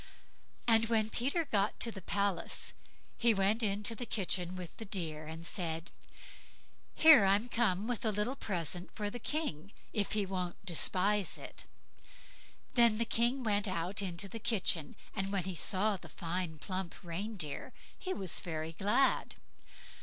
And when Peter got to the palace he went into the kitchen with the deer, and said: "Here I'm come with a little present for the king, if he won't despise it." Then the King went out into the kitchen, and when he saw the fine plump reindeer, he was very glad.